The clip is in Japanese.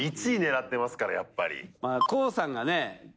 １位狙ってますからやっぱりＫＯＯさんがね